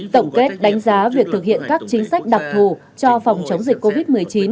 tổng kết đánh giá việc thực hiện các chính sách đặc thù cho phòng chống dịch covid một mươi chín